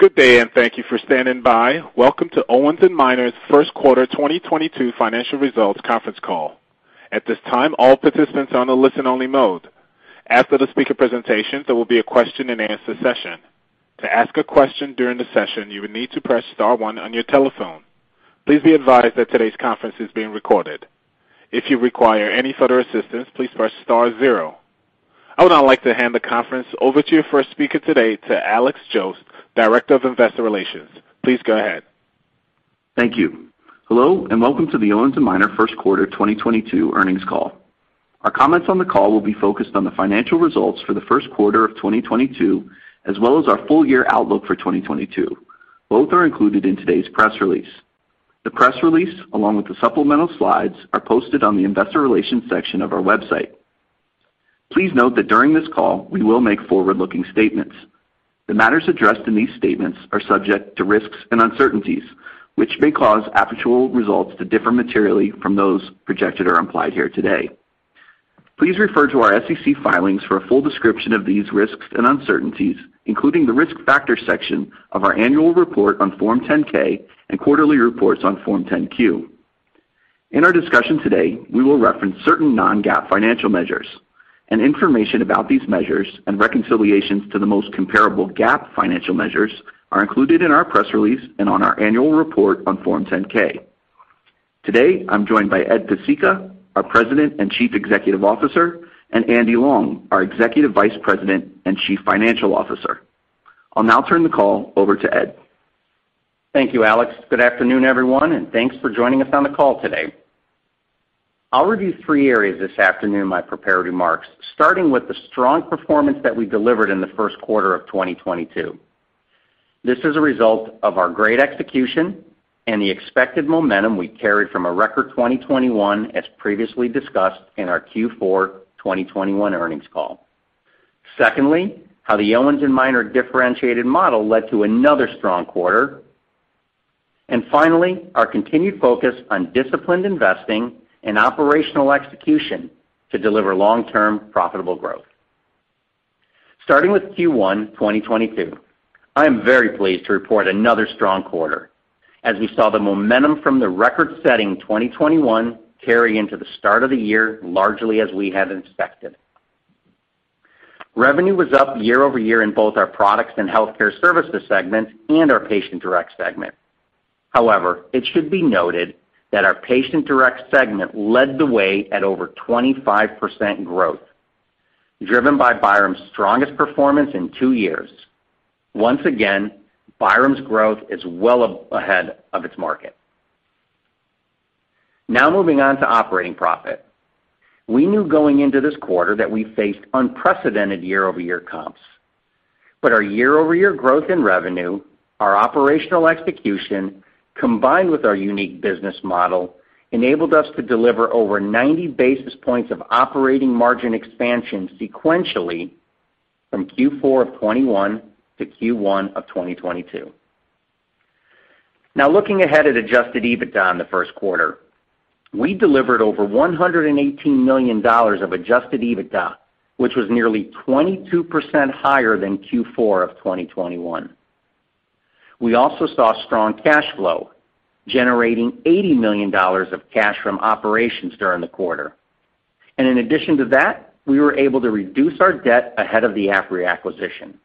Good day, and thank you for standing by. Welcome to Owens & Minor First Quarter 2022 Financial Results Conference Call. At this time, all participants are on a listen only mode. After the speaker presentation, there will be a question-and-answer session. To ask a question during the session, you will need to press star one on your telephone. Please be advised that today's conference is being recorded. If you require any further assistance, please press star zero. I would now like to hand the conference over to your first speaker today, to Alex Jost, Director of Investor Relations. Please go ahead. Thank you. Hello, and welcome to the Owens & Minor first quarter 2022 earnings call. Our comments on the call will be focused on the financial results for the first quarter of 2022, as well as our full year outlook for 2022. Both are included in today's press release. The press release, along with the supplemental slides, are posted on the investor relations section of our website. Please note that during this call we will make forward-looking statements. The matters addressed in these statements are subject to risks and uncertainties, which may cause actual results to differ materially from those projected or implied here today. Please refer to our SEC filings for a full description of these risks and uncertainties, including the Risk Factors section of our annual report on Form 10-K and quarterly reports on Form 10-Q. In our discussion today, we will reference certain non-GAAP financial measures. Information about these measures and reconciliations to the most comparable GAAP financial measures are included in our press release and on our annual report on Form 10-K. Today I'm joined by Ed Pesicka, our President and Chief Executive Officer, and Andy Long, our Executive Vice President and Chief Financial Officer. I'll now turn the call over to Ed. Thank you, Alex. Good afternoon, everyone, and thanks for joining us on the call today. I'll review three areas this afternoon in my prepared remarks, starting with the strong performance that we delivered in the first quarter of 2022. This is a result of our great execution and the expected momentum we carried from a record 2021, as previously discussed in our Q4 2021 earnings call. Secondly, how the Owens & Minor differentiated model led to another strong quarter. Finally, our continued focus on disciplined investing and operational execution to deliver long-term profitable growth. Starting with Q1 2022, I am very pleased to report another strong quarter as we saw the momentum from the record-setting 2021 carry into the start of the year, largely as we had expected. Revenue was up year-over-year in both our Products & Healthcare Services segments and our Patient Direct segment. However, it should be noted that our Patient Direct segment led the way at over 25% growth, driven by Byram's strongest performance in two years. Once again, Byram's growth is well ahead of its market. Now moving on to operating profit. We knew going into this quarter that we faced unprecedented year-over-year comps, but our year-over-year growth in revenue, our operational execution, combined with our unique business model, enabled us to deliver over 90 basis points of operating margin expansion sequentially from Q4 2021 to Q1 2022. Now looking ahead at adjusted EBITDA in the first quarter, we delivered over $118 million of adjusted EBITDA, which was nearly 22% higher than Q4 of 2021. We also saw strong cash flow, generating $80 million of cash from operations during the quarter. In addition to that, we were able to reduce our debt ahead of the Apria acquisition.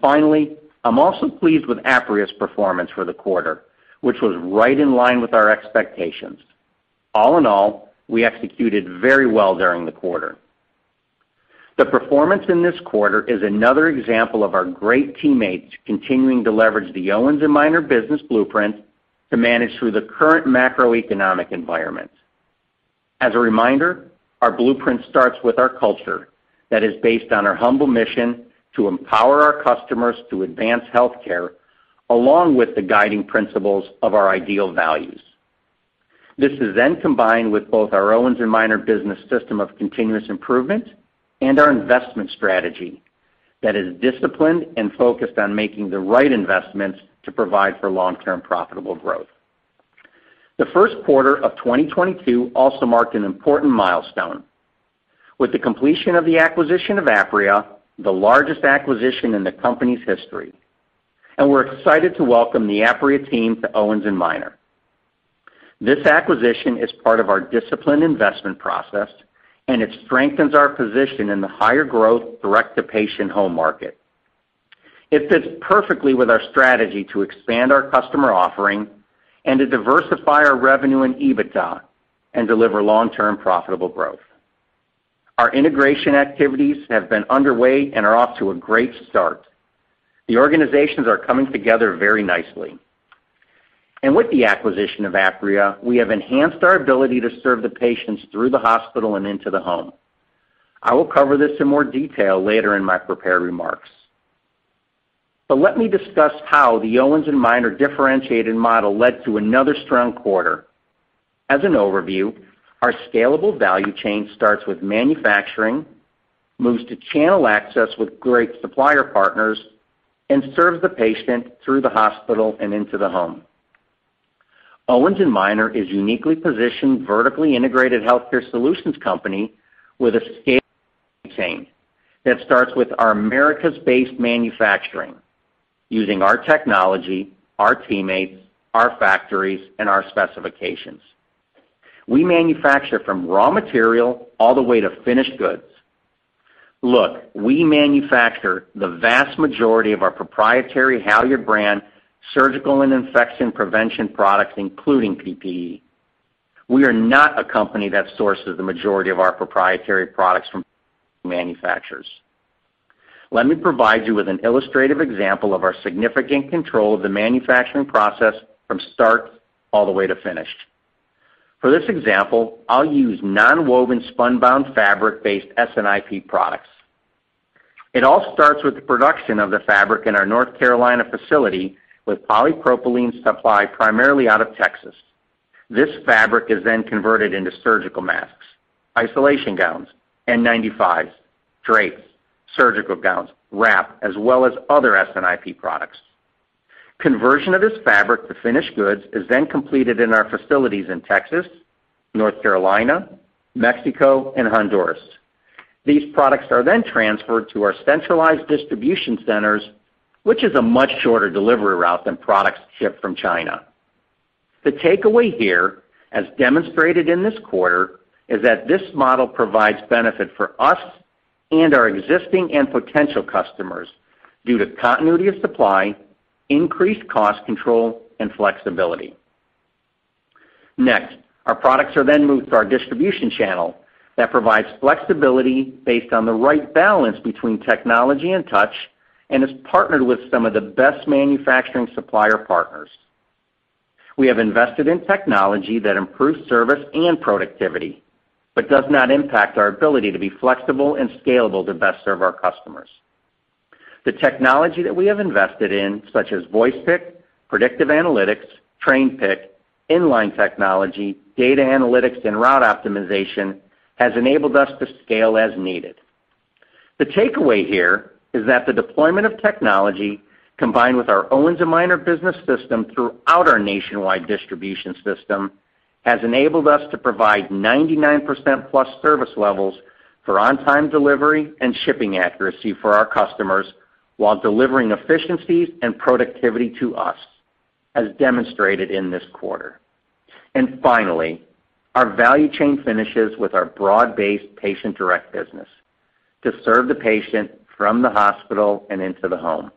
Finally, I'm also pleased with Apria's performance for the quarter, which was right in line with our expectations. All in all, we executed very well during the quarter. The performance in this quarter is another example of our great teammates continuing to leverage the Owens & Minor business blueprint to manage through the current macroeconomic environment. As a reminder, our blueprint starts with our culture that is based on our humble mission to empower our customers to advance healthcare, along with the guiding principles of our ideal values. This is then combined with both our Owens & Minor business system of continuous improvement and our investment strategy that is disciplined and focused on making the right investments to provide for long-term profitable growth. The first quarter of 2022 also marked an important milestone with the completion of the acquisition of Apria, the largest acquisition in the company's history. We're excited to welcome the Apria team to Owens & Minor. This acquisition is part of our disciplined investment process, and it strengthens our position in the higher growth direct-to-patient home market. It fits perfectly with our strategy to expand our customer offering and to diversify our revenue and EBITDA and deliver long-term profitable growth. Our integration activities have been underway and are off to a great start. The organizations are coming together very nicely. With the acquisition of Apria, we have enhanced our ability to serve the patients through the hospital and into the home. I will cover this in more detail later in my prepared remarks. Let me discuss how the Owens & Minor differentiated model led to another strong quarter. As an overview, our scalable value chain starts with manufacturing, moves to channel access with great supplier partners, and serves the patient through the hospital and into the home. Owens & Minor is uniquely positioned vertically integrated healthcare solutions company with a supply chain that starts with our Americas-based manufacturing using our technology, our teammates, our factories, and our specifications. We manufacture from raw material all the way to finished goods. Look, we manufacture the vast majority of our proprietary HALYARD brand surgical and infection prevention products, including PPE. We are not a company that sources the majority of our proprietary products from manufacturers. Let me provide you with an illustrative example of our significant control of the manufacturing process from start all the way to finish. For this example, I'll use nonwoven spunbond fabric-based S&IP products. It all starts with the production of the fabric in our North Carolina facility with polypropylene supplied primarily out of Texas. This fabric is then converted into surgical masks, isolation gowns, N95s, drapes, surgical gowns, wrap, as well as other S&IP products. Conversion of this fabric to finished goods is then completed in our facilities in Texas, North Carolina, Mexico and Honduras. These products are then transferred to our centralized distribution centers, which is a much shorter delivery route than products shipped from China. The takeaway here, as demonstrated in this quarter, is that this model provides benefit for us and our existing and potential customers due to continuity of supply, increased cost control, and flexibility. Next, our products are then moved to our distribution channel that provides flexibility based on the right balance between technology and touch, and is partnered with some of the best manufacturing supplier partners. We have invested in technology that improves service and productivity, but does not impact our ability to be flexible and scalable to best serve our customers. The technology that we have invested in, such as Voice Pick, predictive analytics, Tray Pick, inline technology, data analytics, and route optimization, has enabled us to scale as needed. The takeaway here is that the deployment of technology, combined with our Owens & Minor business system throughout our nationwide distribution system, has enabled us to provide 99%+ service levels for on-time delivery and shipping accuracy for our customers, while delivering efficiencies and productivity to us, as demonstrated in this quarter. Finally, our value chain finishes with our broad-based Patient Direct business to serve the patient from the hospital and into the home.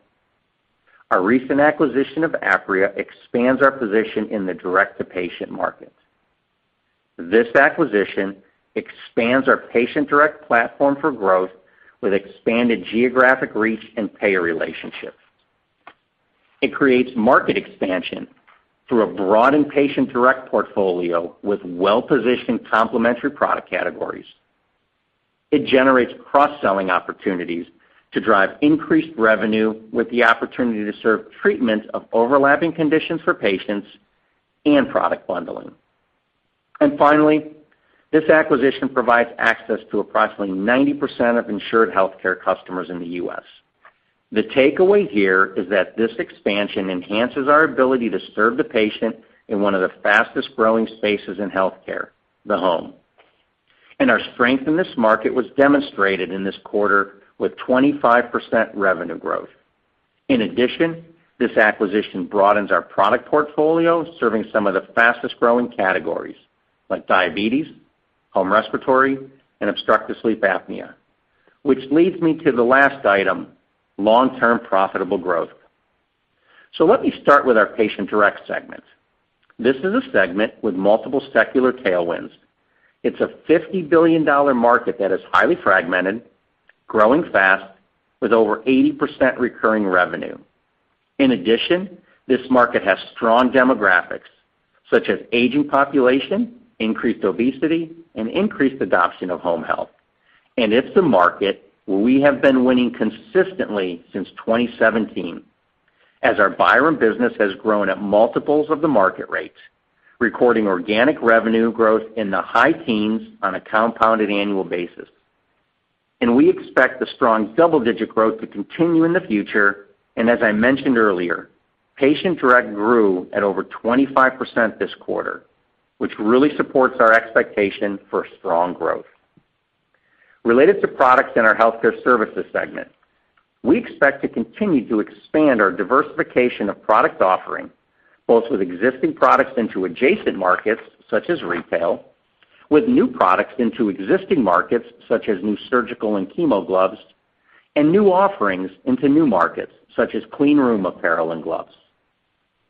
Our recent acquisition of Apria expands our position in the direct-to-patient market. This acquisition expands our Patient Direct platform for growth with expanded geographic reach and payer relationships. It creates market expansion through a broadened Patient Direct portfolio with well-positioned complementary product categories. It generates cross-selling opportunities to drive increased revenue with the opportunity to serve treatment of overlapping conditions for patients and product bundling. Finally, this acquisition provides access to approximately 90% of insured healthcare customers in the U.S. The takeaway here is that this expansion enhances our ability to serve the patient in one of the fastest-growing spaces in healthcare, the home. Our strength in this market was demonstrated in this quarter with 25% revenue growth. In addition, this acquisition broadens our product portfolio, serving some of the fastest-growing categories like diabetes, home respiratory and obstructive sleep apnea, which leads me to the last item, long-term profitable growth. Let me start with our Patient Direct segment. This is a segment with multiple secular tailwinds. It's a $50 billion market that is highly fragmented, growing fast, with over 80% recurring revenue. In addition, this market has strong demographics such as aging population, increased obesity, and increased adoption of home health. It's the market where we have been winning consistently since 2017, as our Byram business has grown at multiples of the market rates, recording organic revenue growth in the high teens on a compounded annual basis. We expect the strong double-digit growth to continue in the future, and as I mentioned earlier, Patient Direct grew at over 25% this quarter, which really supports our expectation for strong growth. Related to products in our Healthcare Services segment, we expect to continue to expand our diversification of product offering, both with existing products into adjacent markets such as retail, with new products into existing markets such as new surgical and chemo gloves, and new offerings into new markets such as clean room apparel and gloves.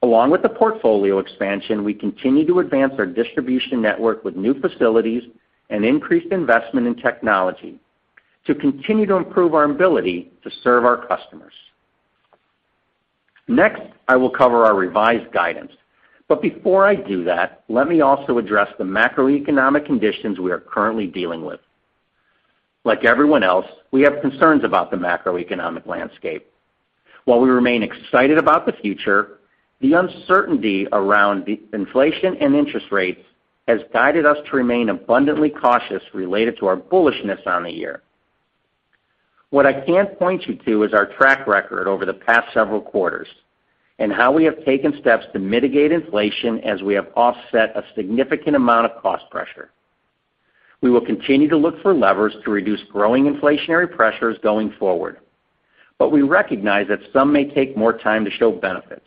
Along with the portfolio expansion, we continue to advance our distribution network with new facilities and increased investment in technology to continue to improve our ability to serve our customers. Next, I will cover our revised guidance. Before I do that, let me also address the macroeconomic conditions we are currently dealing with. Like everyone else, we have concerns about the macroeconomic landscape. While we remain excited about the future, the uncertainty around inflation and interest rates has guided us to remain abundantly cautious related to our bullishness on the year. What I can point you to is our track record over the past several quarters, and how we have taken steps to mitigate inflation as we have offset a significant amount of cost pressure. We will continue to look for levers to reduce growing inflationary pressures going forward, but we recognize that some may take more time to show benefits.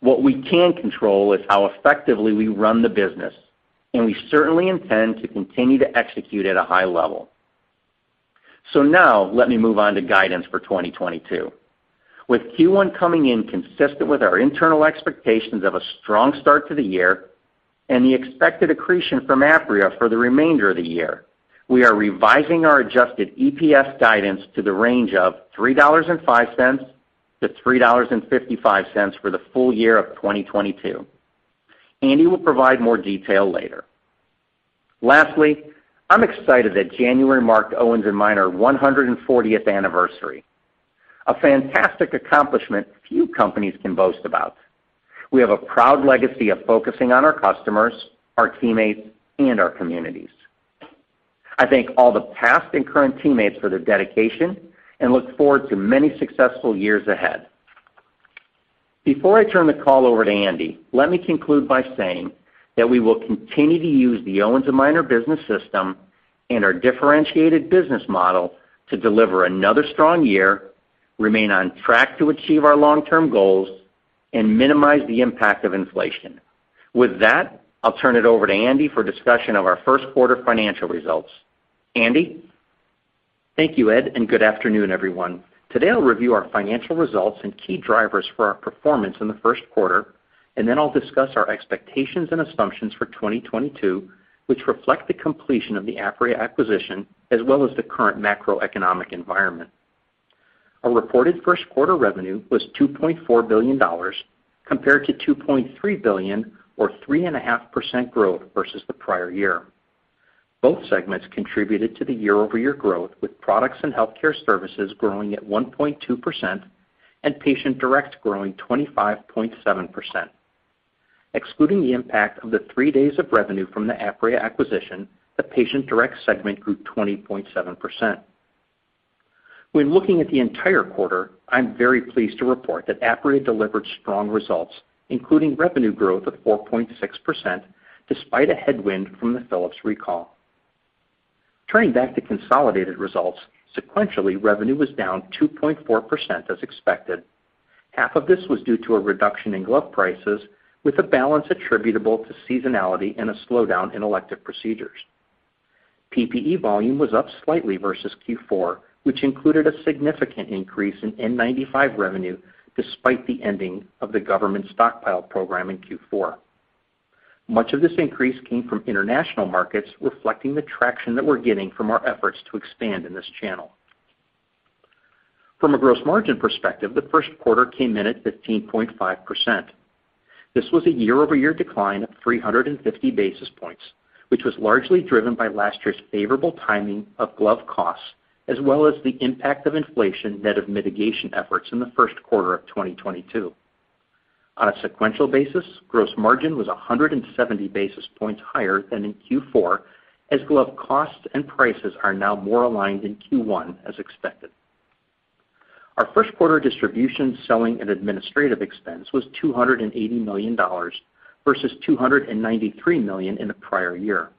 What we can control is how effectively we run the business, and we certainly intend to continue to execute at a high level. Now let me move on to guidance for 2022. With Q1 coming in consistent with our internal expectations of a strong start to the year and the expected accretion from Apria for the remainder of the year, we are revising our adjusted EPS guidance to the range of $3.05-$3.55 for the full year of 2022. Andy will provide more detail later. Lastly, I'm excited that January marked Owens & Minor 140th anniversary, a fantastic accomplishment few companies can boast about. We have a proud legacy of focusing on our customers, our teammates, and our communities. I thank all the past and current teammates for their dedication and look forward to many successful years ahead. Before I turn the call over to Andy, let me conclude by saying that we will continue to use the Owens & Minor business system and our differentiated business model to deliver another strong year, remain on track to achieve our long-term goals, and minimize the impact of inflation. With that, I'll turn it over to Andy for discussion of our first quarter financial results. Andy? Thank you, Ed, and good afternoon, everyone. Today I'll review our financial results and key drivers for our performance in the first quarter, and then I'll discuss our expectations and assumptions for 2022, which reflect the completion of the Apria acquisition as well as the current macroeconomic environment. Our reported first quarter revenue was $2.4 billion compared to $2.3 billion or 3.5% growth versus the prior year. Both segments contributed to the year-over-year growth with Products & Healthcare Services growing at 1.2% and Patient Direct growing 25.7%. Excluding the impact of the three days of revenue from the Apria acquisition, the Patient Direct segment grew 20.7%. When looking at the entire quarter, I'm very pleased to report that Apria delivered strong results, including revenue growth of 4.6% despite a headwind from the Philips recall. Turning back to consolidated results, sequentially, revenue was down 2.4% as expected. Half of this was due to a reduction in glove prices, with the balance attributable to seasonality and a slowdown in elective procedures. PPE volume was up slightly versus Q4, which included a significant increase in N95 revenue despite the ending of the government stockpile program in Q4. Much of this increase came from international markets, reflecting the traction that we're getting from our efforts to expand in this channel. From a gross margin perspective, the first quarter came in at 15.5%. This was a year-over-year decline of 350 basis points, which was largely driven by last year's favorable timing of glove costs, as well as the impact of inflation net of mitigation efforts in the first quarter of 2022. On a sequential basis, gross margin was 170 basis points higher than in Q4 as glove costs and prices are now more aligned in Q1 as expected. Our first quarter distribution, selling and administrative expense was $280 million versus $293 million in the prior year.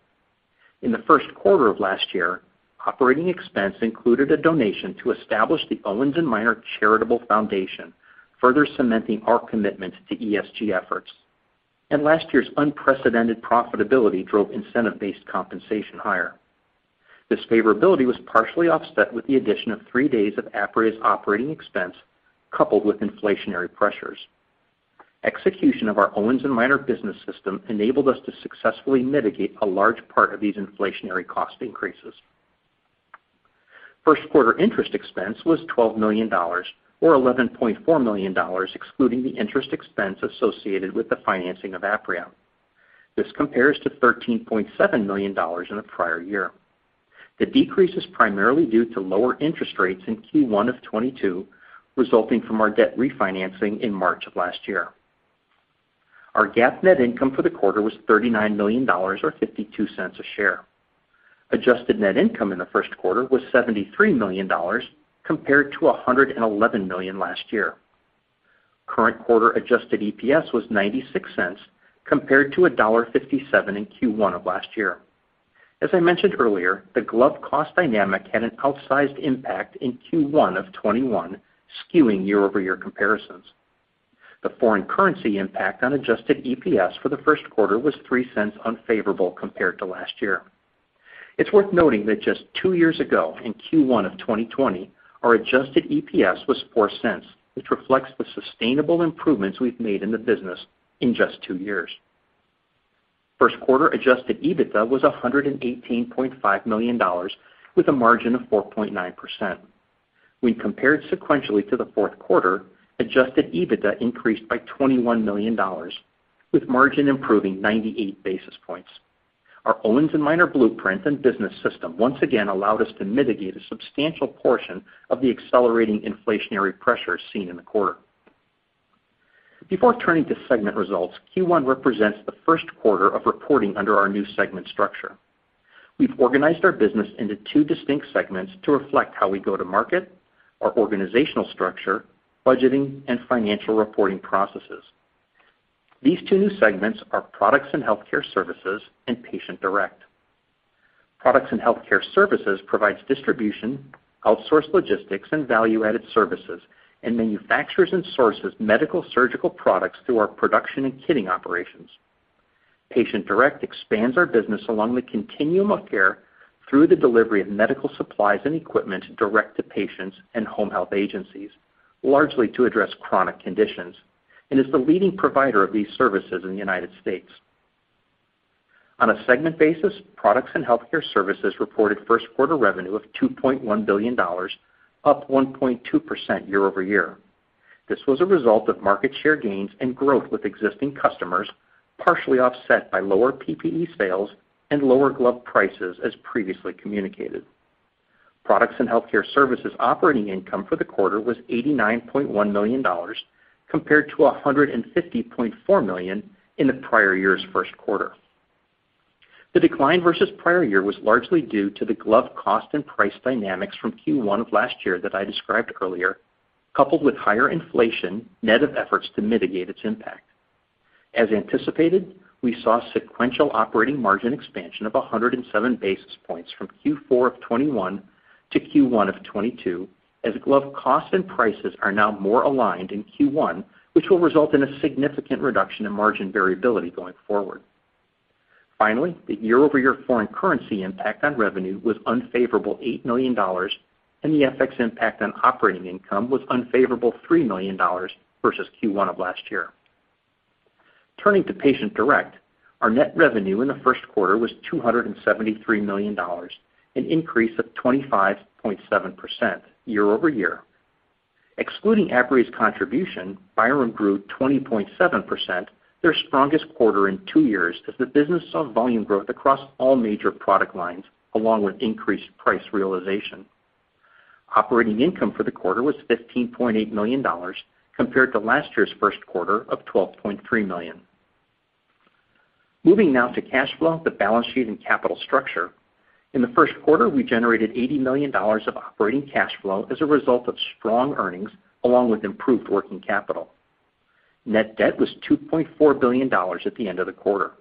In the first quarter of last year, operating expense included a donation to establish the Owens & Minor Foundation, further cementing our commitment to ESG efforts. Last year's unprecedented profitability drove incentive-based compensation higher. This favorability was partially offset with the addition of three days of Apria's operating expense coupled with inflationary pressures. Execution of our Owens & Minor business system enabled us to successfully mitigate a large part of these inflationary cost increases. First-quarter interest expense was $12 million, or $11.4 million, excluding the interest expense associated with the financing of Apria. This compares to $13.7 million in the prior year. The decrease is primarily due to lower interest rates in Q1 2022, resulting from our debt refinancing in March of last year. Our GAAP net income for the quarter was $39 million or $0.52 a share. Adjusted net income in the first quarter was $73 million compared to $111 million last year. Current quarter adjusted EPS was $0.96 compared to $1.57 in Q1 of last year. As I mentioned earlier, the glove cost dynamic had an outsized impact in Q1 2021 skewing year-over-year comparisons. The foreign currency impact on adjusted EPS for the first quarter was $0.03 unfavorable compared to last year. It's worth noting that just two years ago, in Q1 2020, our adjusted EPS was $0.04, which reflects the sustainable improvements we've made in the business in just two years. First quarter adjusted EBITDA was $118.5 million with a margin of 4.9%. When compared sequentially to the fourth quarter, adjusted EBITDA increased by $21 million, with margin improving 98 basis points. Our Owens & Minor blueprint and business system once again allowed us to mitigate a substantial portion of the accelerating inflationary pressures seen in the quarter. Before turning to segment results, Q1 represents the first quarter of reporting under our new segment structure. We've organized our business into two distinct segments to reflect how we go to market, our organizational structure, budgeting, and financial reporting processes. These two new segments are Products & Healthcare Services and Patient Direct. Products & Healthcare Services provides distribution, outsourced logistics, and value-added services, and manufactures and sources medical surgical products through our production and kitting operations. Patient Direct expands our business along the continuum of care through the delivery of medical supplies and equipment direct to patients and home health agencies, largely to address chronic conditions, and is the leading provider of these services in the United States. On a segment basis, Products & Healthcare Services reported first quarter revenue of $2.1 billion, up 1.2% year-over-year. This was a result of market share gains and growth with existing customers, partially offset by lower PPE sales and lower glove prices, as previously communicated. Products & Healthcare Services operating income for the quarter was $89.1 million, compared to $150.4 million in the prior year's first quarter. The decline versus prior year was largely due to the glove cost and price dynamics from Q1 of last year that I described earlier, coupled with higher inflation net of efforts to mitigate its impact. As anticipated, we saw sequential operating margin expansion of 107 basis points from Q4 2021 to Q1 2022, as glove costs and prices are now more aligned in Q1, which will result in a significant reduction in margin variability going forward. Finally, the year-over-year foreign currency impact on revenue was unfavorable $8 million, and the FX impact on operating income was unfavorable $3 million versus Q1 of last year. Turning to Patient Direct, our net revenue in the first quarter was $273 million, an increase of 25.7% year-over-year. Excluding Apria's contribution, Byram grew 20.7%, their strongest quarter in two years as the business saw volume growth across all major product lines, along with increased price realization. Operating income for the quarter was $15.8 million, compared to last year's first quarter of $12.3 million. Moving now to cash flow, the balance sheet, and capital structure. In the first quarter, we generated $80 million of operating cash flow as a result of strong earnings along with improved working capital. Net debt was $2.4 billion at the end of the quarter.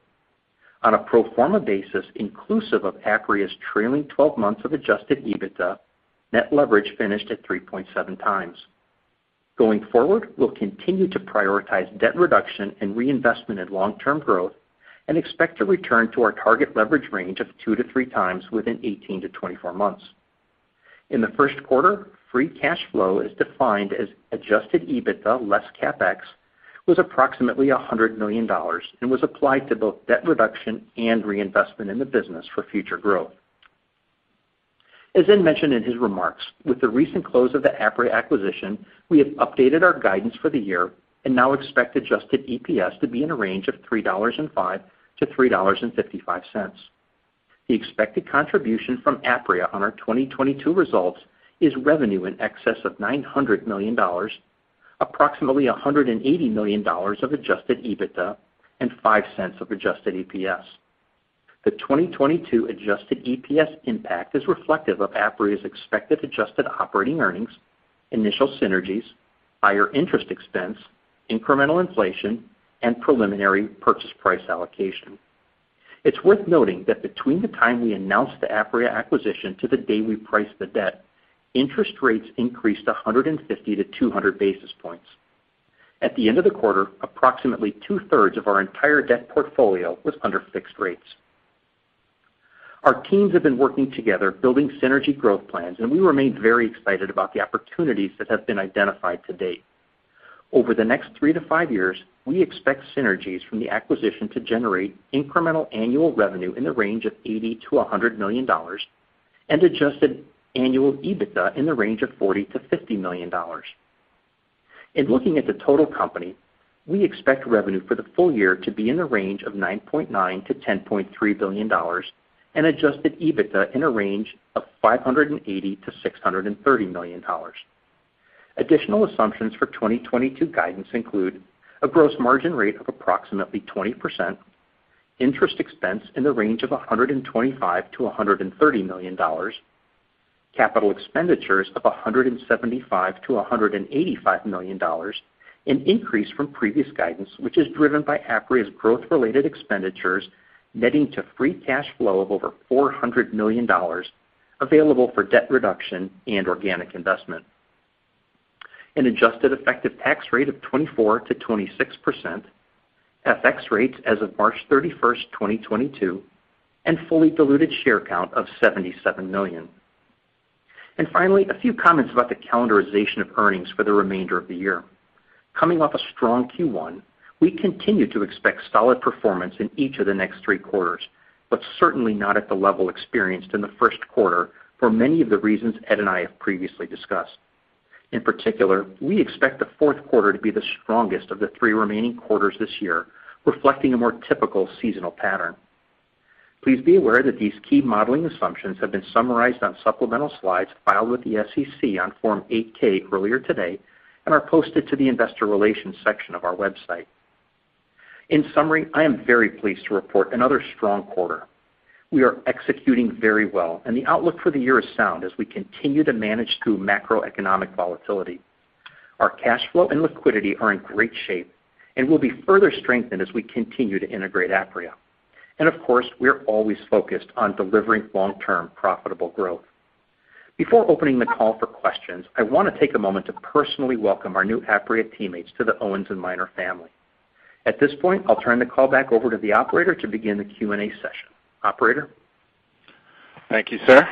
On a pro forma basis, inclusive of Apria's trailing twelve months of adjusted EBITDA, net leverage finished at 3.7x. Going forward, we'll continue to prioritize debt reduction and reinvestment in long-term growth and expect to return to our target leverage range of 2x-3x within 18-24 months. In the first quarter, free cash flow, as defined as adjusted EBITDA less CapEx, was approximately $100 million and was applied to both debt reduction and reinvestment in the business for future growth. As Ed mentioned in his remarks, with the recent close of the Apria acquisition, we have updated our guidance for the year and now expect adjusted EPS to be in a range of $3.05-$3.55. The expected contribution from Apria on our 2022 results is revenue in excess of $900 million, approximately $180 million of adjusted EBITDA, and $0.05 of adjusted EPS. The 2022 adjusted EPS impact is reflective of Apria's expected adjusted operating earnings, initial synergies, higher interest expense, incremental inflation, and preliminary purchase price allocation. It's worth noting that between the time we announced the Apria acquisition to the day we priced the debt, interest rates increased 150 basis points-200 basis points. At the end of the quarter, approximately 2/3 of our entire debt portfolio was under fixed rates. Our teams have been working together building synergy growth plans, and we remain very excited about the opportunities that have been identified to date. Over the next three to five years, we expect synergies from the acquisition to generate incremental annual revenue in the range of $80 million-$100 million and adjusted annual EBITDA in the range of $40 million-$50 million. In looking at the total company, we expect revenue for the full year to be in the range of $9.9 billion-$10.3 billion and adjusted EBITDA in a range of $580 million-$630 million. Additional assumptions for 2022 guidance include a gross margin rate of approximately 20%, interest expense in the range of $125 million-$130 million, capital expenditures of $175 million-$185 million, an increase from previous guidance, which is driven by Apria's growth-related expenditures, netting to free cash flow of over $400 million available for debt reduction and organic investment, an adjusted effective tax rate of 24%-26%, FX rates as of March 31st, 2022, and fully diluted share count of 77 million. Finally, a few comments about the calendarization of earnings for the remainder of the year. Coming off a strong Q1, we continue to expect solid performance in each of the next three quarters, but certainly not at the level experienced in the first quarter for many of the reasons Ed and I have previously discussed. In particular, we expect the fourth quarter to be the strongest of the three remaining quarters this year, reflecting a more typical seasonal pattern. Please be aware that these key modeling assumptions have been summarized on supplemental slides filed with the SEC on Form 8-K earlier today and are posted to the investor relations section of our website. In summary, I am very pleased to report another strong quarter. We are executing very well, and the outlook for the year is sound as we continue to manage through macroeconomic volatility. Our cash flow and liquidity are in great shape and will be further strengthened as we continue to integrate Apria. Of course, we are always focused on delivering long-term profitable growth. Before opening the call for questions, I want to take a moment to personally welcome our new Apria teammates to the Owens & Minor family. At this point, I'll turn the call back over to the operator to begin the Q&A session. Operator? Thank you, sir.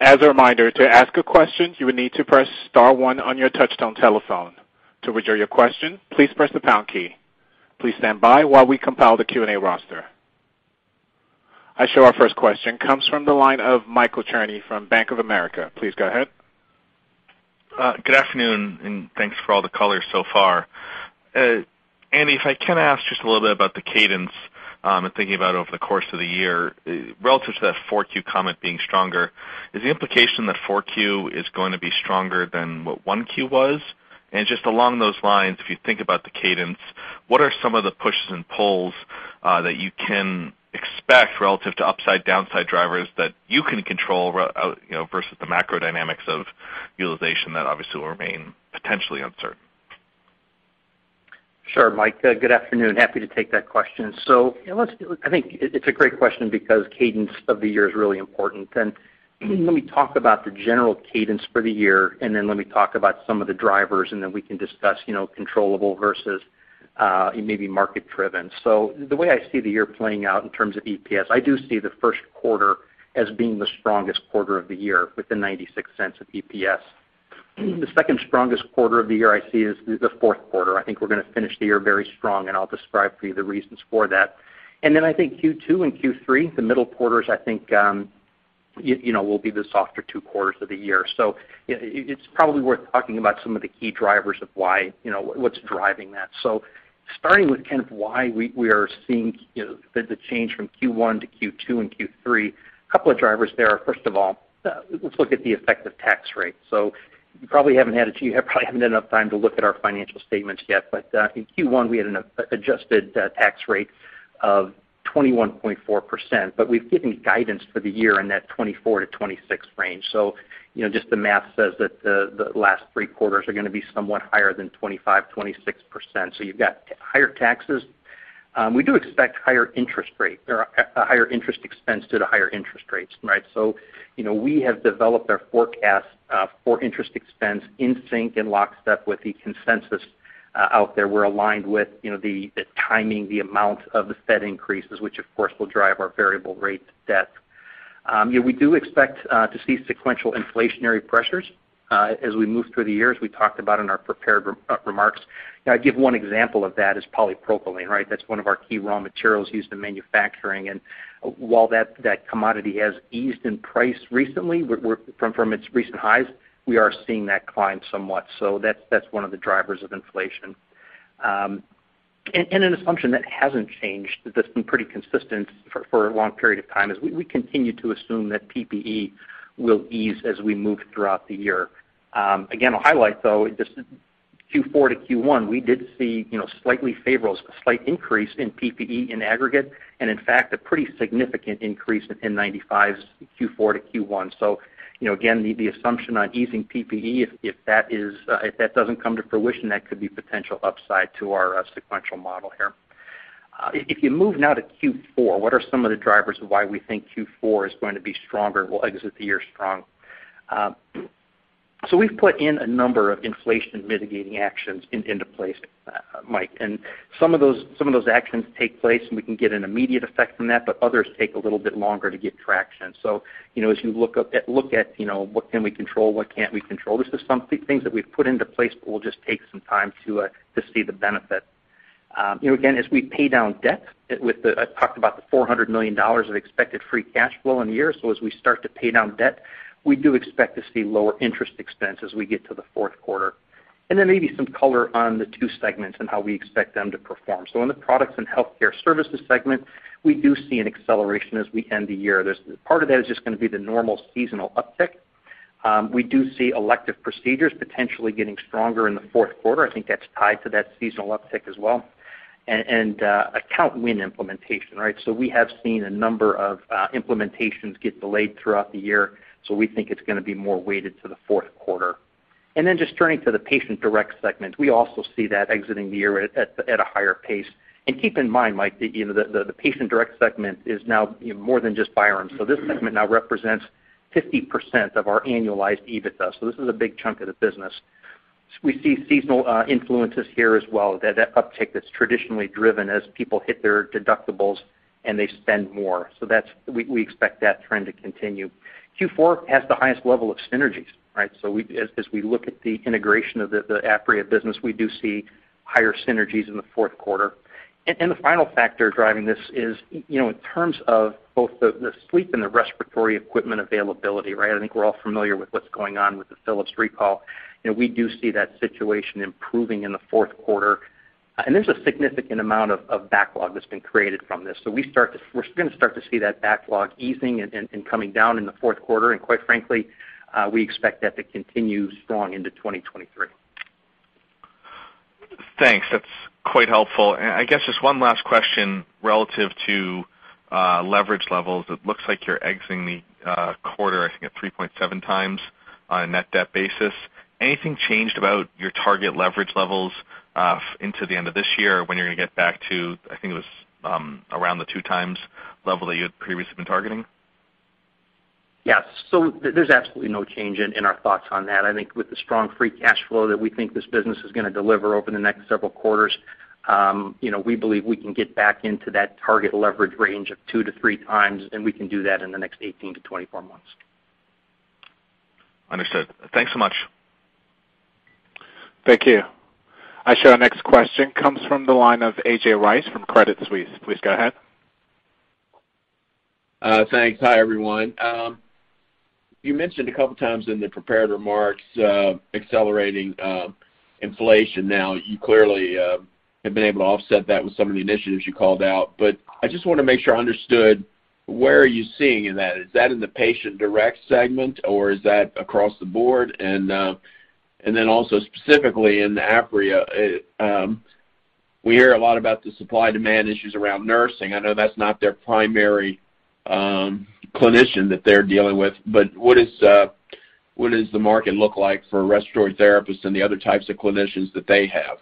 As a reminder, to ask a question, you would need to press star one on your touchtone telephone. To withdraw your question, please press the pound key. Please stand by while we compile the Q&A roster. I show our first question comes from the line of Michael Cherny from Bank of America. Please go ahead. Good afternoon, and thanks for all the color so far. Andy, if I can ask just a little bit about the cadence, and thinking about over the course of the year, relative to that Q4 comment being stronger, is the implication that Q4 is going to be stronger than what Q1 was? Just along those lines, if you think about the cadence, what are some of the pushes and pulls, that you can expect relative to upside downside drivers that you can control, you know, versus the macro dynamics of utilization that obviously will remain potentially uncertain? Sure, Mike. Good afternoon. Happy to take that question. I think it's a great question because cadence of the year is really important. Let me talk about the general cadence for the year, and then let me talk about some of the drivers, and then we can discuss, you know, controllable versus maybe market-driven. The way I see the year playing out in terms of EPS, I do see the first quarter as being the strongest quarter of the year with the $0.96 of EPS. The second strongest quarter of the year I see is the fourth quarter. I think we're going to finish the year very strong, and I'll describe for you the reasons for that. I think Q2 and Q3, the middle quarters, I think, you know, will be the softer two quarters of the year. It's probably worth talking about some of the key drivers of why, you know, what's driving that. Starting with kind of why we are seeing the change from Q1-Q2 and Q3, a couple of drivers there. First of all, let's look at the effective tax rate. You probably haven't had enough time to look at our financial statements yet. But in Q1, we had an adjusted tax rate of 21.4%, but we've given guidance for the year in that 24%-26% range. You know, just the math says that the last three quarters are going to be somewhat higher than 25%-26%. You've got higher taxes. We do expect higher interest rate or a higher interest expense due to higher interest rates, right? You know, we have developed our forecast for interest expense in sync and lockstep with the consensus out there. We're aligned with you know the timing the amount of the Fed increases, which of course will drive our variable rate debt. We do expect to see sequential inflationary pressures as we move through the years we talked about in our prepared remarks. I give one example of that is polypropylene, right? That's one of our key raw materials used in manufacturing. While that commodity has eased in price recently from its recent highs, we are seeing that climb somewhat. That's one of the drivers of inflation. An assumption that hasn't changed, that's been pretty consistent for a long period of time, is we continue to assume that PPE will ease as we move throughout the year. Again, I'll highlight, though, just Q4-Q1, we did see, you know, slightly favorable, slight increase in PPE in aggregate, and in fact, a pretty significant increase in N95s Q4-Q1. You know, again, the assumption on easing PPE, if that doesn't come to fruition, that could be potential upside to our sequential model here. If you move now to Q4, what are some of the drivers of why we think Q4 is going to be stronger and we'll exit the year strong? We've put in a number of inflation mitigating actions into place, Michael Cherny. Some of those actions take place, and we can get an immediate effect from that, but others take a little bit longer to get traction. You know, as you look at, you know, what can we control, what can't we control, this is some things that we've put into place, but we'll just take some time to see the benefit. You know, again, as we pay down debt with the, I talked about the $400 million of expected free cash flow in the year. As we start to pay down debt, we do expect to see lower interest expense as we get to the fourth quarter. Maybe some color on the two segments and how we expect them to perform. In the Products & Healthcare Services segment, we do see an acceleration as we end the year. Part of that is just going to be the normal seasonal uptick. We do see elective procedures potentially getting stronger in the fourth quarter. I think that's tied to that seasonal uptick as well. Account win implementation, right? We have seen a number of implementations get delayed throughout the year, so we think it's going to be more weighted to the fourth quarter. Then just turning to the Patient Direct segment, we also see that exiting the year at a higher pace. Keep in mind, Mike, that you know, the Patient Direct segment is now more than just Byram. This segment now represents 50% of our annualized EBITDA. This is a big chunk of the business. We see seasonal influences here as well. That uptick that's traditionally driven as people hit their deductibles and they spend more. We expect that trend to continue. Q4 has the highest level of synergies, right? As we look at the integration of the Apria business, we do see higher synergies in the fourth quarter. The final factor driving this is, you know, in terms of both the sleep and the respiratory equipment availability, right? I think we're all familiar with what's going on with the Philips recall. You know, we do see that situation improving in the fourth quarter. There's a significant amount of backlog that's been created from this. We're gonna start to see that backlog easing and coming down in the fourth quarter. Quite frankly, we expect that to continue strong into 2023. Thanks. That's quite helpful. I guess just one last question relative to leverage levels. It looks like you're exiting the quarter, I think, at 3.7x on a net debt basis. Anything changed about your target leverage levels going into the end of this year or when you're gonna get back to, I think it was, around the 2x level that you had previously been targeting? Yes. There's absolutely no change in our thoughts on that. I think with the strong free cash flow that we think this business is gonna deliver over the next several quarters, you know, we believe we can get back into that target leverage range of 2x-3x, and we can do that in the next 18-24 months. Understood. Thanks so much. Thank you. I show our next question comes from the line of A.J. Rice from Credit Suisse. Please go ahead. Thanks. Hi, everyone. You mentioned a couple times in the prepared remarks, accelerating inflation. Now, you clearly have been able to offset that with some of the initiatives you called out, but I just wanna make sure I understood, where are you seeing in that? Is that in the Patient Direct segment, or is that across the board? Then also specifically in Apria, we hear a lot about the supply and demand issues around nursing. I know that's not their primary clinician that they're dealing with, but what does the market look like for respiratory therapists and the other types of clinicians that they have?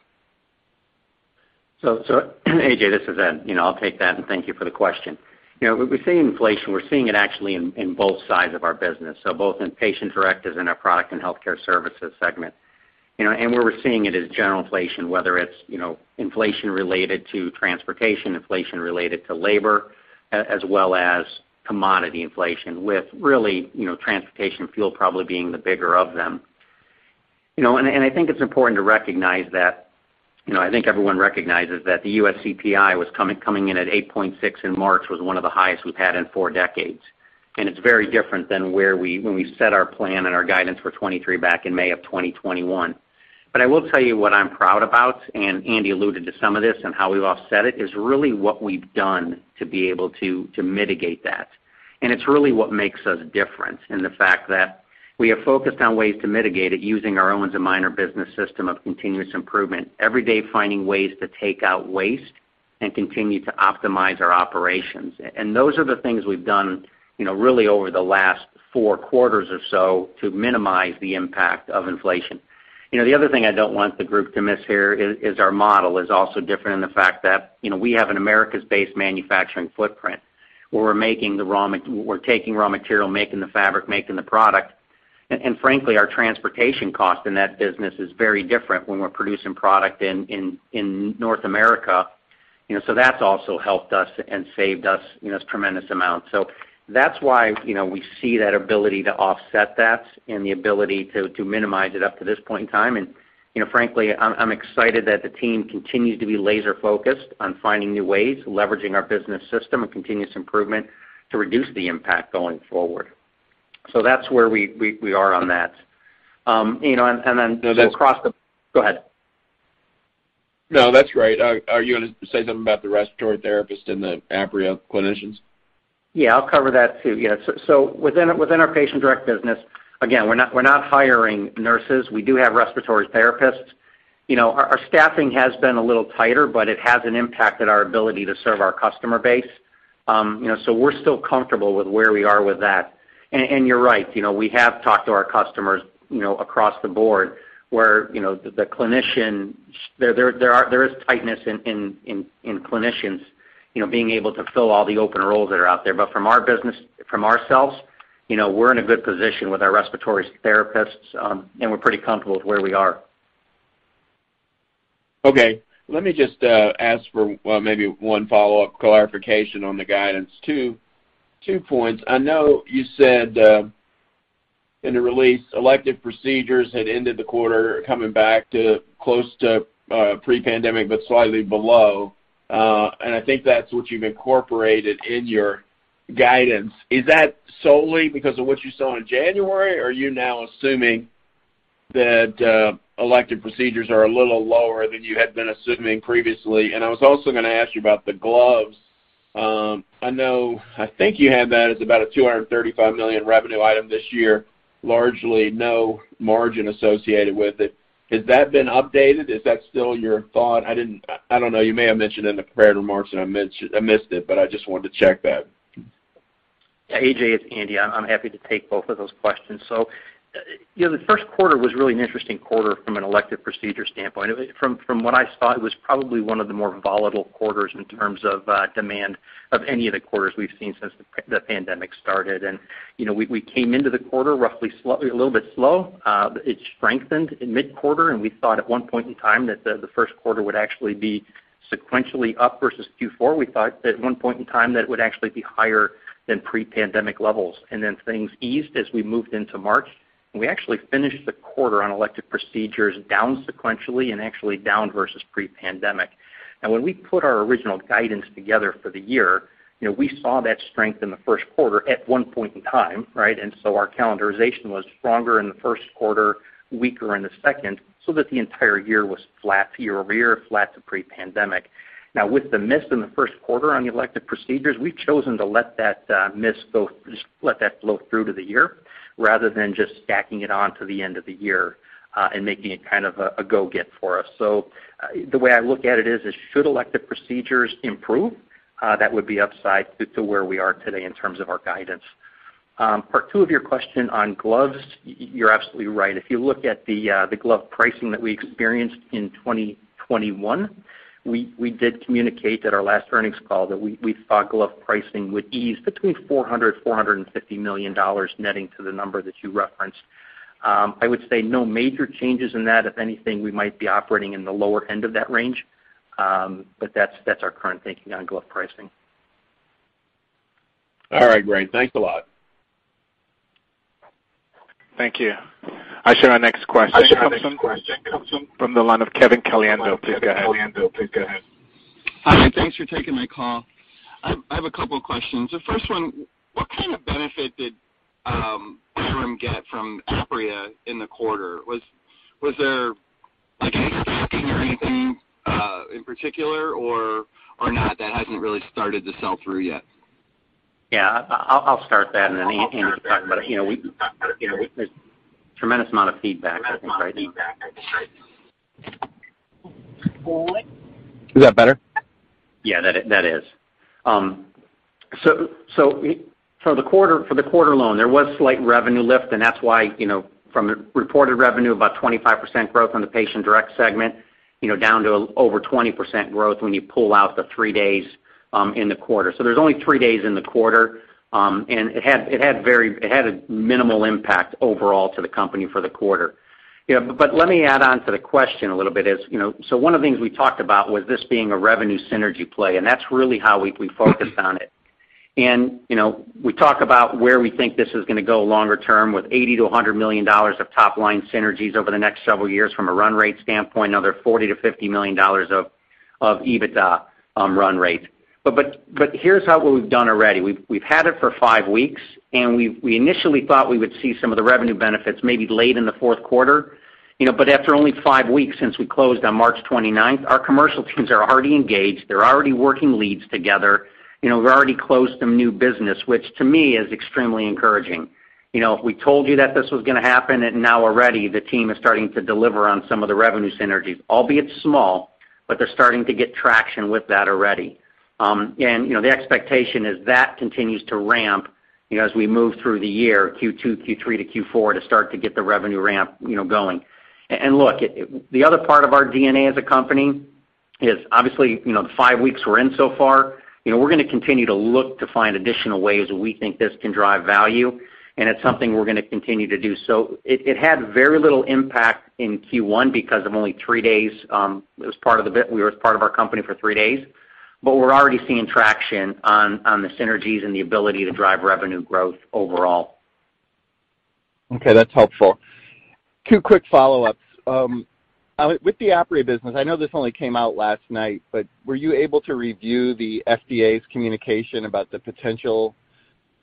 A.J., this is Ed. You know, I'll take that, and thank you for the question. You know, we're seeing inflation. We're seeing it actually in both sides of our business, so both in Patient Direct as in our Products & Healthcare Services segment. You know, and where we're seeing it is general inflation, whether it's, you know, inflation related to transportation, inflation related to labor, as well as commodity inflation with really, you know, transportation and fuel probably being the bigger of them. You know, and I think it's important to recognize that, you know, I think everyone recognizes that the US CPI was coming in at 8.6 in March, was one of the highest we've had in four decades. It's very different than when we set our plan and our guidance for 2023 back in May of 2021. I will tell you what I'm proud about, and Andy alluded to some of this and how we've offset it, is really what we've done to be able to mitigate that. It's really what makes us different in the fact that we have focused on ways to mitigate it using our Owens & Minor business system of continuous improvement, every day finding ways to take out waste and continue to optimize our operations. Those are the things we've done, you know, really over the last four quarters or so to minimize the impact of inflation. You know, the other thing I don't want the group to miss here is our model is also different in the fact that, you know, we have an Americas-based manufacturing footprint, where we're taking raw material, making the fabric, making the product. Frankly, our transportation cost in that business is very different when we're producing product in North America. You know, that's also helped us and saved us, you know, tremendous amounts. That's why, you know, we see that ability to offset that and the ability to minimize it up to this point in time. You know, frankly, I'm excited that the team continues to be laser-focused on finding new ways, leveraging our business system and continuous improvement to reduce the impact going forward. That's where we are on that. You know, across the- No, that's. Go ahead. No, that's great. Are you gonna say something about the respiratory therapist and the Apria clinicians? Yeah, I'll cover that too. Yeah, so within our Patient Direct business, again, we're not hiring nurses. We do have respiratory therapists. You know, our staffing has been a little tighter, but it hasn't impacted our ability to serve our customer base. You know, so we're still comfortable with where we are with that. You're right, you know, we have talked to our customers, you know, across the board, where, you know, there is tightness in clinicians, you know, being able to fill all the open roles that are out there. From our business, from ourselves, you know, we're in a good position with our respiratory therapists, and we're pretty comfortable with where we are. Okay. Let me just ask for, well, maybe one follow-up clarification on the guidance too. Two points. I know you said in the release, elective procedures had ended the quarter coming back to close to pre-pandemic but slightly below. And I think that's what you've incorporated in your guidance. Is that solely because of what you saw in January, or are you now assuming that elective procedures are a little lower than you had been assuming previously? I was also gonna ask you about the gloves. I know, I think you had that as about a $235 million revenue item this year, largely no margin associated with it. Has that been updated? Is that still your thought? I don't know. You may have mentioned in the prepared remarks, and I missed it, but I just wanted to check that. Yeah, AJ, it's Andy. I'm happy to take both of those questions. You know, the first quarter was really an interesting quarter from an elective procedure standpoint. From what I saw, it was probably one of the more volatile quarters in terms of demand for any of the quarters we've seen since the pandemic started. You know, we came into the quarter roughly slowly, a little bit slow. It strengthened in mid-quarter, and we thought at one point in time that the first quarter would actually be sequentially up versus Q4. We thought at one point in time that it would actually be higher than pre-pandemic levels. Then things eased as we moved into March, and we actually finished the quarter on elective procedures down sequentially and actually down versus pre-pandemic. Now, when we put our original guidance together for the year, you know, we saw that strength in the first quarter at one point in time, right? Our calendarization was stronger in the first quarter, weaker in the second, so that the entire year was flat year-over-year, flat to pre-pandemic. Now, with the miss in the first quarter on the elective procedures, we've chosen to let that miss go, just let that flow through to the year rather than just stacking it on to the end of the year, and making it kind of a go get for us. The way I look at it is should elective procedures improve, that would be upside to where we are today in terms of our guidance. Part two of your question on gloves, you're absolutely right. If you look at the glove pricing that we experienced in 2021, we did communicate at our last earnings call that we thought glove pricing would ease between $400 million-$450 million netting to the number that you referenced. I would say no major changes in that. If anything, we might be operating in the lower end of that range, but that's our current thinking on glove pricing. All right, great. Thanks a lot. Thank you. Our next question comes from the line of Kevin Caliendo. Please go ahead. Hi, thanks for taking my call. I have a couple of questions. The first one, what kind of benefit did Owens & Minor get from Apria in the quarter? Was there like any stacking or anything in particular or not that hasn't really started to sell through yet? Yeah, I'll start that and then Andy can talk about it. You know, you know, there's tremendous amount of feedback, I think, right, Andy? Is that better? Yeah, that is. So the quarter, for the quarter alone, there was slight revenue lift, and that's why, you know, from a reported revenue, about 25% growth on the Patient Direct segment, you know, down to over 20% growth when you pull out the three days in the quarter. There's only three days in the quarter, and it had a minimal impact overall to the company for the quarter. You know, but let me add on to the question a little bit as you know. One of the things we talked about was this being a revenue synergy play, and that's really how we focused on it. You know, we talk about where we think this is gonna go longer term with $80 million-$100 million of top-line synergies over the next several years from a run rate standpoint, another $40 million-$50 million of EBITDA on run rate. But here's what we've done already. We've had it for five weeks, and we initially thought we would see some of the revenue benefits maybe late in the fourth quarter. You know, after only five weeks since we closed on March 29, our commercial teams are already engaged. They're already working leads together. You know, we've already closed some new business, which to me is extremely encouraging. You know, we told you that this was gonna happen, and now already the team is starting to deliver on some of the revenue synergies, albeit small, but they're starting to get traction with that already. You know, the expectation is that continues to ramp, you know, as we move through the year, Q2, Q3-Q4, to start to get the revenue ramp, you know, going. Look, the other part of our DNA as a company is obviously, you know, the five weeks we're in so far, you know, we're gonna continue to look to find additional ways that we think this can drive value, and it's something we're gonna continue to do. It had very little impact in Q1 because of only three days, it was part of our company for three days. We're already seeing traction on the synergies and the ability to drive revenue growth overall. Okay, that's helpful. Two quick follow-ups. With the Apria business, I know this only came out last night, but were you able to review the FDA's communication about the potential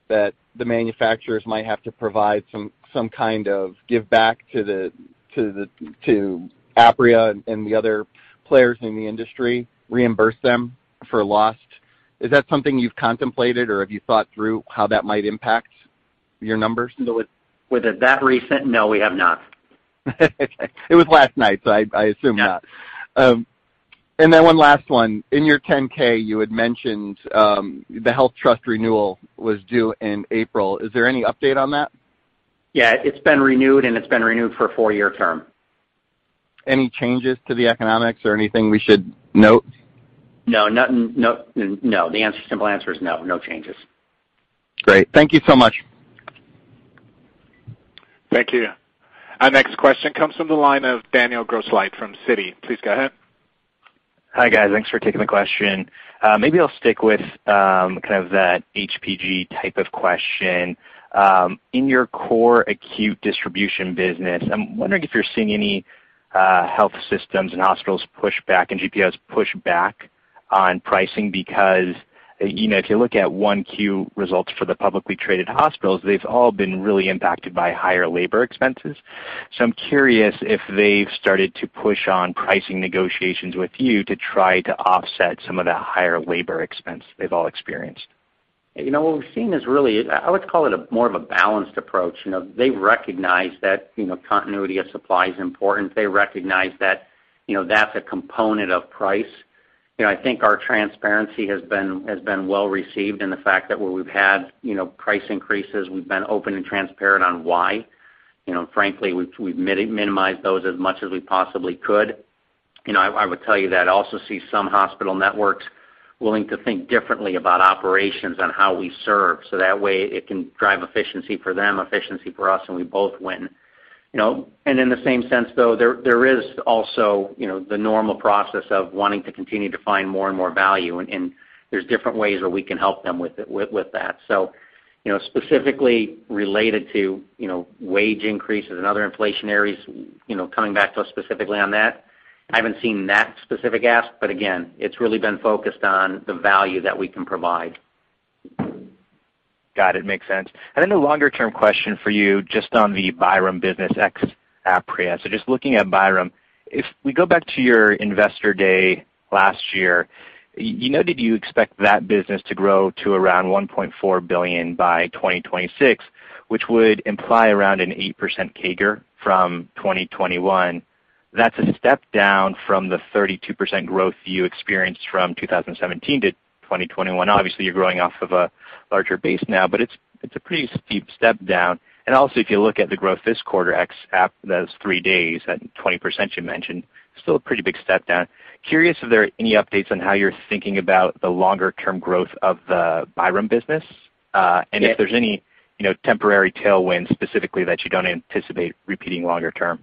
that the manufacturers might have to provide some kind of give back to the Apria and the other players in the industry, reimburse them for lost? Is that something you've contemplated, or have you thought through how that might impact your numbers? Was it that recent? No, we have not. Okay. It was last night, so I assume not. Yeah. One last one. In your 10-K, you had mentioned, the HealthTrust renewal was due in April. Is there any update on that? Yeah. It's been renewed for a four-year term. Any changes to the economics or anything we should note? No. The answer, simple answer is no changes. Great. Thank you so much. Thank you. Our next question comes from the line of Daniel Grosslight from Citi. Please go ahead. Hi, guys. Thanks for taking the question. Maybe I'll stick with kind of that HPG type of question. In your core acute distribution business, I'm wondering if you're seeing any health systems and hospitals push back and GPOs push back on pricing because, you know, if you look at Q1 results for the publicly traded hospitals, they've all been really impacted by higher labor expenses. I'm curious if they've started to push on pricing negotiations with you to try to offset some of the higher labor expense they've all experienced. You know, what we've seen is really, I would call it a more of a balanced approach. You know, they recognize that, you know, continuity of supply is important. They recognize that, you know, that's a component of price. You know, I think our transparency has been well-received, and the fact that where we've had, you know, price increases, we've been open and transparent on why. You know, frankly, we've minimized those as much as we possibly could. You know, I would tell you that I also see some hospital networks willing to think differently about operations on how we serve. That way it can drive efficiency for them, efficiency for us, and we both win. You know, in the same sense, though, there is also, you know, the normal process of wanting to continue to find more and more value, and there's different ways where we can help them with that. You know, specifically related to, you know, wage increases and other inflationary, you know, coming back to us specifically on that, I haven't seen that specific ask. Again, it's really been focused on the value that we can provide. Got it. Makes sense. A longer-term question for you just on the Byram business ex Apria. Just looking at Byram, if we go back to your Investor Day last year, you noted you expect that business to grow to around $1.4 billion by 2026, which would imply around an 8% CAGR from 2021. That's a step down from the 32% growth you experienced from 2017-2021. Obviously, you're growing off of a larger base now, but it's a pretty steep step down. Also, if you look at the growth this quarter, ex Apria, those three days at 20% you mentioned, still a pretty big step down. Curious if there are any updates on how you're thinking about the longer term growth of the Byram business. Yes. If there's any, you know, temporary tailwind specifically that you don't anticipate repeating longer term.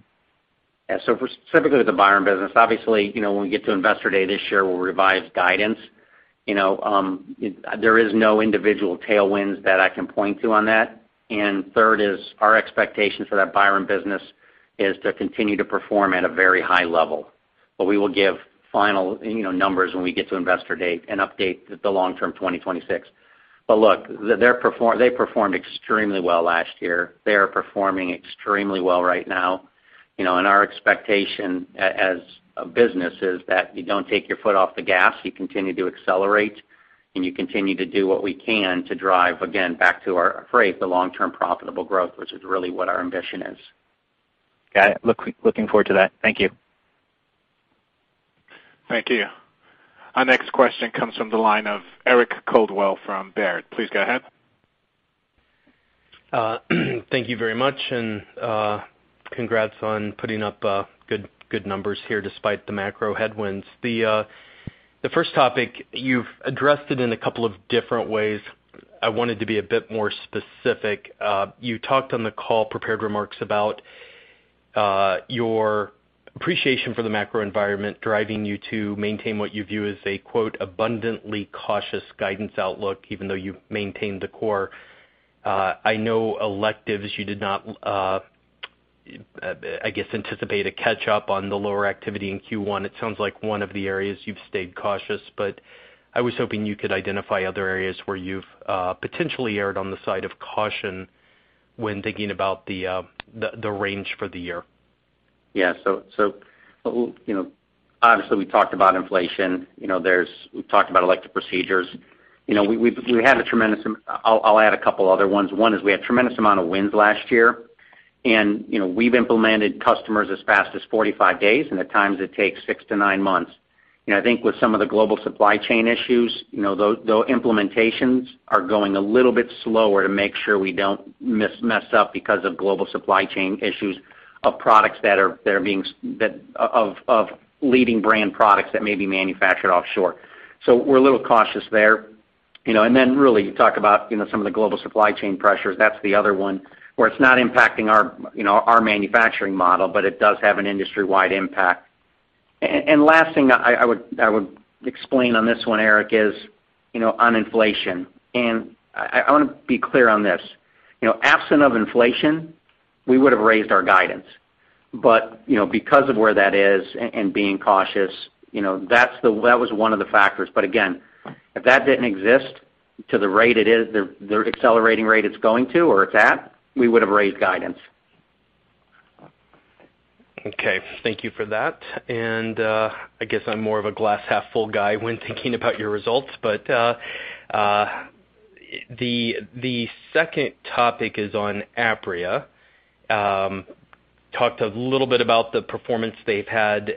Yeah. For specifically with the Byram business, obviously, you know, when we get to Investor Day this year, we'll revise guidance. You know, there is no individual tailwinds that I can point to on that. Third is our expectations for that Byram business is to continue to perform at a very high level. We will give final, you know, numbers when we get to Investor Day and update the long-term 2026. Look, they performed extremely well last year. They are performing extremely well right now. You know, and our expectation as a business is that you don't take your foot off the gas, you continue to accelerate, and you continue to do what we can to drive, again, back to our phrase, the long-term profitable growth, which is really what our ambition is. Got it. Looking forward to that. Thank you. Thank you. Our next question comes from the line of Eric Coldwell from Baird. Please go ahead. Thank you very much, and congrats on putting up good numbers here despite the macro headwinds. The first topic, you've addressed it in a couple of different ways. I wanted to be a bit more specific. You talked on the call prepared remarks about your appreciation for the macro environment driving you to maintain what you view as a quote, abundantly cautious guidance outlook, even though you've maintained the core. I know electives you did not, I guess, anticipate a catch-up on the lower activity in Q1. It sounds like one of the areas you've stayed cautious, but I was hoping you could identify other areas where you've potentially erred on the side of caution when thinking about the range for the year. Yeah. You know, obviously, we talked about inflation. You know, we talked about elective procedures. You know, I'll add a couple other ones. One is we had a tremendous amount of wins last year, and you know, we've implemented customers as fast as 45 days, and at times it takes six to nine months. You know, I think with some of the global supply chain issues, you know, implementations are going a little bit slower to make sure we don't mess up because of global supply chain issues of products that are of leading brand products that may be manufactured offshore. So we're a little cautious there. You know, and then really you talk about you know some of the global supply chain pressures. That's the other one where it's not impacting our, you know, our manufacturing model, but it does have an industry-wide impact. Last thing I would explain on this one, Eric, is, you know, on inflation, and I wanna be clear on this. You know, absent of inflation, we would have raised our guidance. You know, because of where that is and being cautious, you know, that was one of the factors. Again, if that didn't exist at the rate it is, the accelerating rate it's going to or at that, we would have raised guidance. Okay. Thank you for that. I guess I'm more of a glass half full guy when thinking about your results. The second topic is on Apria. Talked a little bit about the performance they've had,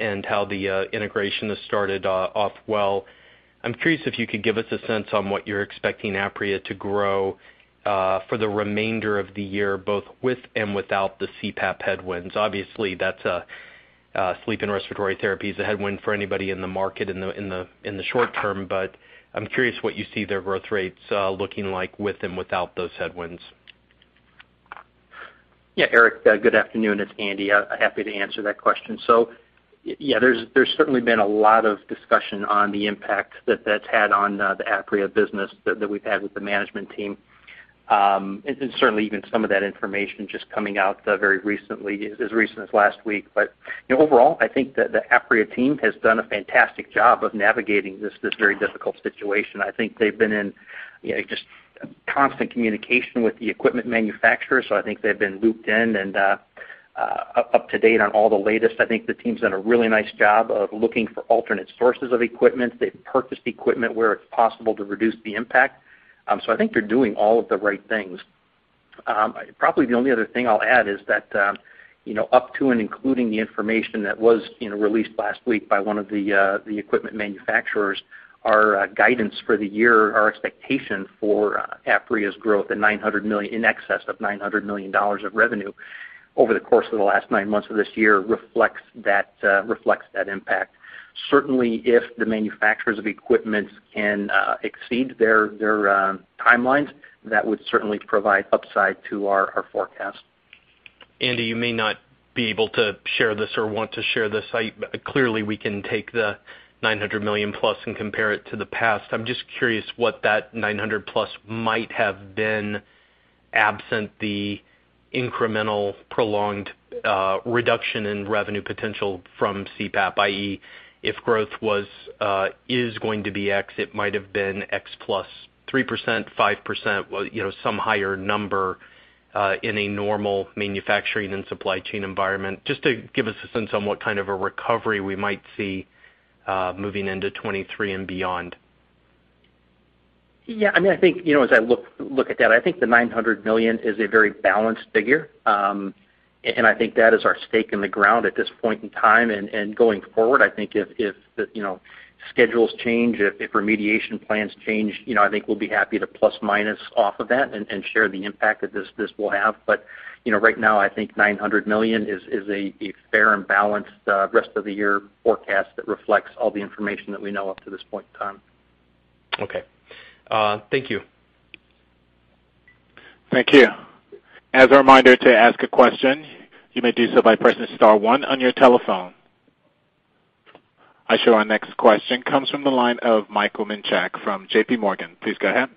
and how the integration has started off well. I'm curious if you could give us a sense on what you're expecting Apria to grow for the remainder of the year, both with and without the CPAP headwinds. Obviously, that's a sleep and respiratory therapy is a headwind for anybody in the market in the short term, but I'm curious what you see their growth rates looking like with and without those headwinds. Yeah. Eric, good afternoon. It's Andy. I'm happy to answer that question. Yeah, there's certainly been a lot of discussion on the impact that that's had on the Apria business that we've had with the management team. Certainly even some of that information just coming out very recently, as recent as last week. You know, overall, I think that the Apria team has done a fantastic job of navigating this very difficult situation. I think they've been in you know, just constant communication with the equipment manufacturers, so I think they've been looped in and up to date on all the latest. I think the team's done a really nice job of looking for alternate sources of equipment. They've purchased equipment where it's possible to reduce the impact. I think they're doing all of the right things. Probably the only other thing I'll add is that, you know, up to and including the information that was, you know, released last week by one of the the equipment manufacturers, our guidance for the year, our expectation for Apria's growth in $900 million, in excess of $900 million of revenue over the course of the last nine months of this year reflects that impact. Certainly, if the manufacturers of equipment can exceed their timelines, that would certainly provide upside to our forecast. Andy, you may not be able to share this or want to share this. Clearly, we can take the $900 million+ and compare it to the past. I'm just curious what that $900 million+ might have been absent the incremental prolonged reduction in revenue potential from CPAP, i.e., if growth is going to be X, it might have been X plus 3%, 5%, well, you know, some higher number moving into 2023 and beyond. Yeah, I mean, I think, you know, as I look at that, I think the $900 million is a very balanced figure. I think that is our stake in the ground at this point in time. Going forward, I think if, you know, schedules change, if remediation plans change, you know, I think we'll be happy to plus minus off of that and share the impact that this will have. You know, right now, I think $900 million is a fair and balanced rest of the year forecast that reflects all the information that we know up to this point in time. Okay. Thank you. Thank you. As a reminder to ask a question, you may do so by pressing star one on your telephone. I show our next question comes from the line of Michael Minchak from JPMorgan. Please go ahead.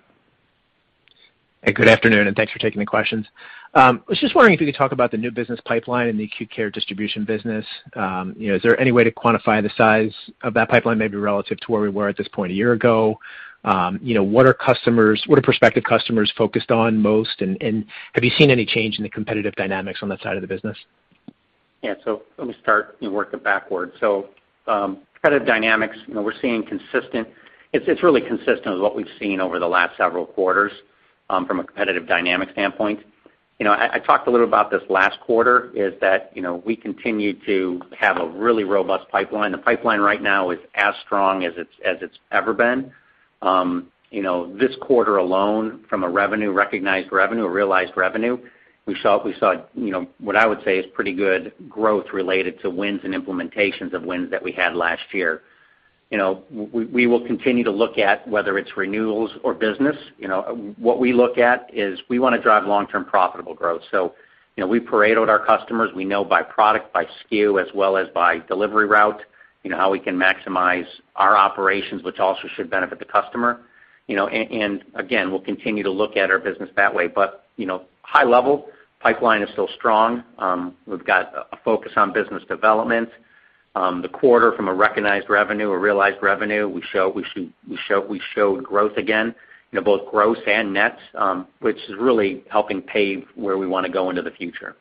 Hey, good afternoon, and thanks for taking the questions. I was just wondering if you could talk about the new business pipeline in the acute care distribution business. You know, is there any way to quantify the size of that pipeline, maybe relative to where we were at this point a year ago? You know, what are prospective customers focused on most, and have you seen any change in the competitive dynamics on that side of the business? Yeah. Let me start, you know, working backwards. Competitive dynamics, you know, we're seeing consistent. It's really consistent with what we've seen over the last several quarters, from a competitive dynamic standpoint. You know, I talked a little about this last quarter, is that, you know, we continue to have a really robust pipeline. The pipeline right now is as strong as it's ever been. You know, this quarter alone, from a revenue, recognized revenue or realized revenue, we saw, you know, what I would say is pretty good growth related to wins and implementations of wins that we had last year. You know, we will continue to look at whether it's renewals or business. You know, what we look at is we wanna drive long-term profitable growth. You know, we Pareto our customers, we know by product, by SKU, as well as by delivery route, you know, how we can maximize our operations, which also should benefit the customer, you know. Again, we'll continue to look at our business that way. You know, high level, pipeline is still strong. We've got a focus on business development. The quarter from a recognized revenue or realized revenue, we showed growth again, you know, both gross and nets, which is really helping pave where we wanna go into the future.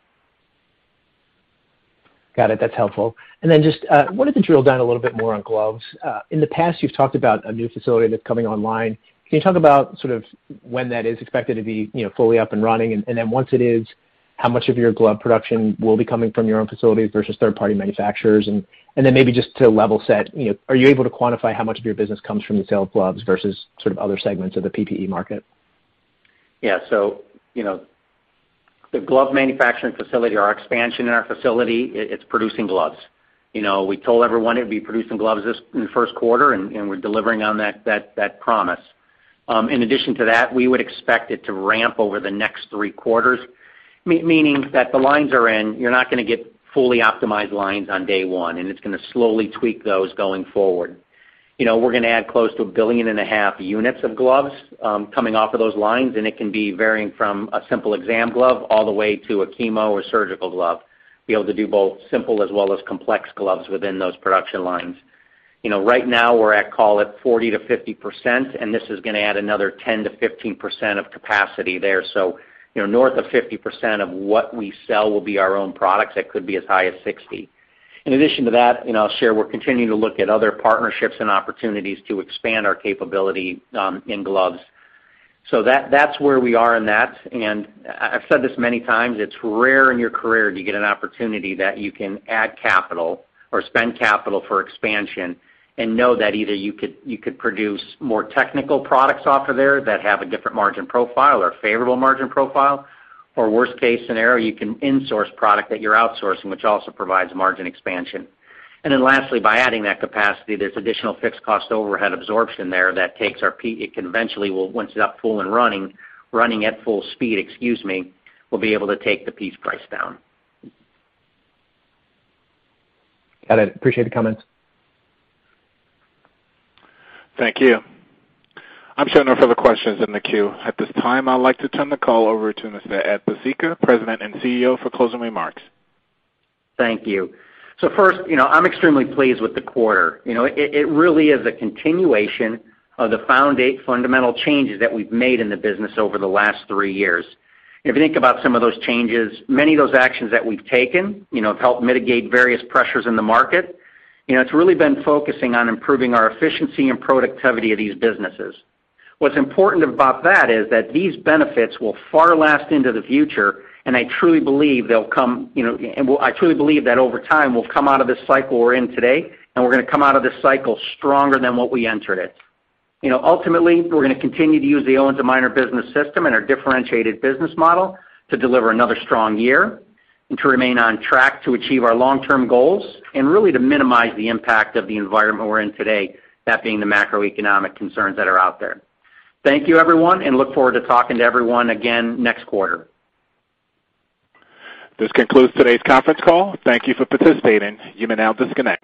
Got it. That's helpful. Just wanted to drill down a little bit more on gloves. In the past, you've talked about a new facility that's coming online. Can you talk about sort of when that is expected to be, you know, fully up and running? Once it is, how much of your glove production will be coming from your own facilities versus third-party manufacturers? Maybe just to level set, you know, are you able to quantify how much of your business comes from the sale of gloves versus sort of other segments of the PPE market? Yeah. You know, the glove manufacturing facility, our expansion in our facility, it's producing gloves. You know, we told everyone it'd be producing gloves this the first quarter and we're delivering on that promise. In addition to that, we would expect it to ramp over the next three quarters, meaning that the lines are in, you're not gonna get fully optimized lines on day one, and it's gonna slowly tweak those going forward. You know, we're gonna add close to 1.5 billion units of gloves, coming off of those lines, and it can be varying from a simple exam glove all the way to a chemo or surgical glove, be able to do both simple as well as complex gloves within those production lines. You know, right now we're at, call it, 40%-50%, and this is gonna add another 10%-15% of capacity there. You know, north of 50% of what we sell will be our own products, that could be as high as 60%. In addition to that, you know, I'll share, we're continuing to look at other partnerships and opportunities to expand our capability in gloves. That's where we are in that. I've said this many times, it's rare in your career to get an opportunity that you can add capital or spend capital for expansion and know that either you could produce more technical products off of there that have a different margin profile or favorable margin profile. Worst case scenario, you can insource product that you're outsourcing, which also provides margin expansion. Lastly, by adding that capacity, there's additional fixed cost overhead absorption there. It conventionally will, once it's up full and running at full speed, excuse me, we'll be able to take the piece price down. Got it. Appreciate the comments. Thank you. I'm showing no further questions in the queue. At this time, I'd like to turn the call over to Mr. Ed Pesicka, President and CEO, for closing remarks. Thank you. First, you know, I'm extremely pleased with the quarter. You know, it really is a continuation of the fundamental changes that we've made in the business over the last three years. If you think about some of those changes, many of those actions that we've taken, you know, have helped mitigate various pressures in the market. You know, it's really been focusing on improving our efficiency and productivity of these businesses. What's important about that is that these benefits will last far into the future, and I truly believe they'll compound, you know, that over time, we'll come out of this cycle we're in today, and we're gonna come out of this cycle stronger than how we entered it. You know, ultimately, we're gonna continue to use the Owens & Minor business system and our differentiated business model to deliver another strong year and to remain on track to achieve our long-term goals, and really to minimize the impact of the environment we're in today, that being the macroeconomic concerns that are out there. Thank you, everyone, and look forward to talking to everyone again next quarter. This concludes today's conference call. Thank you for participating. You may now disconnect.